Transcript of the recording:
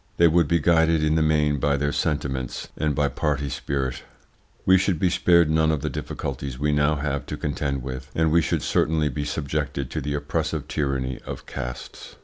They would be guided in the main by their sentiments and by party spirit. We should be spared none of the difficulties we now have to contend with, and we should certainly be subjected to the oppressive tyranny of castes.